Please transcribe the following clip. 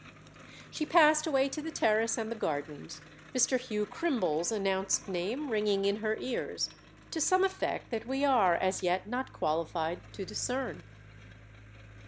She passed away to the terrace and the gardens, Mr. Hugh Crimble's announced name ringing in her ears—to some effect that we are as yet not qualified to discern.